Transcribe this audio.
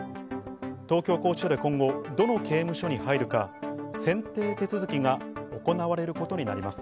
東京拘置所で今後どの刑務所に入るか、選定手続きが行われることになります。